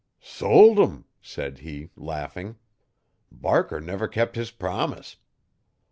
'Sold 'em,' said he, laughing. 'Barker never kep' his promise.